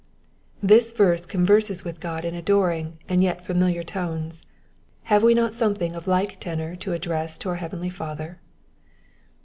This verse converses with God in adoring and yet familiar tones. Have we not something of like tenor to address to our heavenly Father